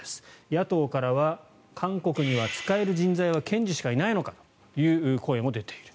野党からは韓国には使える人材は検事しかいないのかという声も出ている。